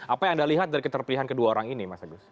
apa yang anda lihat dari keterpilihan kedua orang ini mas agus